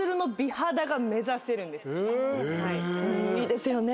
いいですよね。